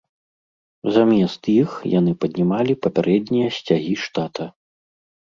Замест іх яны паднімалі папярэднія сцягі штата.